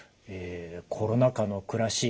コロナ禍の暮らし